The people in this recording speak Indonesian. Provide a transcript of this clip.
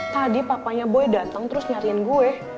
tadi papanya boy datang terus nyariin gue